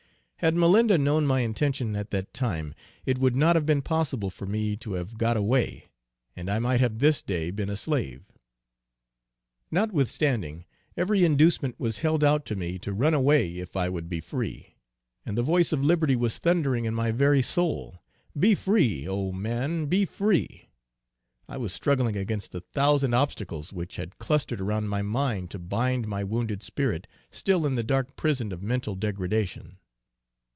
Had Malinda known my intention at that time, it would not have been possible for me to have got away, and I might have this day been a slave. Notwithstanding every inducement was held out to me to run away if I would be free, and the voice of liberty was thundering in my very soul, "Be free, oh, man! be free," I was struggling against a thousand obstacles which had clustered around my mind to bind my wounded spirit still in the dark prison of mental degradation.